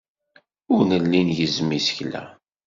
Ur nelli ngezzem isekla.